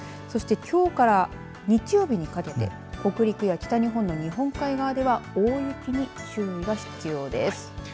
そしてきょうから日曜日にかけて北陸や北日本の日本海側では大雪に注意が必要です。